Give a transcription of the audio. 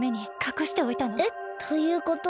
えっということは。